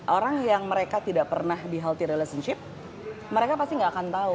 orang yang mereka tidak pernah di healthy relationship mereka pasti nggak akan tahu